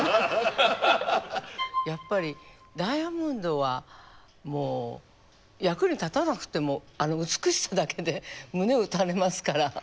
やっぱりダイヤモンドはもう役に立たなくてもあの美しさだけで胸を打たれますから。